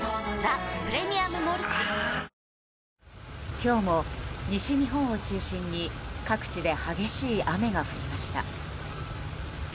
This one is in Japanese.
あー今日も西日本を中心に各地で激しい雨が降りました。